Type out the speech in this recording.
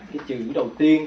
cái chữ đầu tiên